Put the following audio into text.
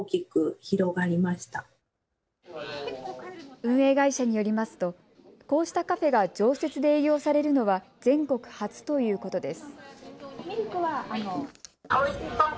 運営会社によりますとこうしたカフェが常設で営業されるのは全国初ということです。